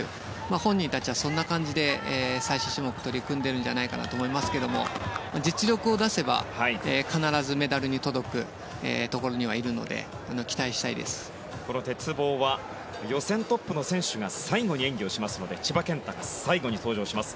本人たちはそんな感じで最終種目、取り組んでいるんじゃないかなと思いますが実力を出せば、必ずメダルに届くところにはいるのでこの鉄棒は予選トップの選手が最後に演技をしますので千葉健太が最後に登場します。